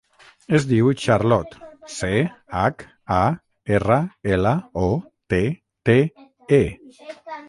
Es diu Charlotte: ce, hac, a, erra, ela, o, te, te, e.